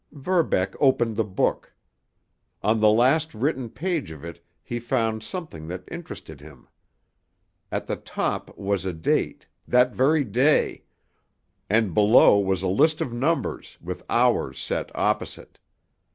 Verbeck opened the book. On the last written page of it he found something that interested him. At the top was a date—that very day—and below was a list of numbers, with hours set opposite.